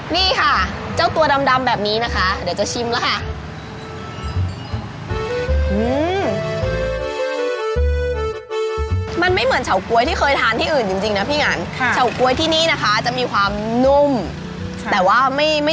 นี่ค่ะเจ้าตัวดำแบบนี้นะคะเดี๋ยวจะชิมแล้วค่ะ